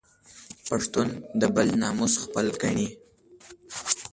پښتون د بل ناموس خپل ګڼي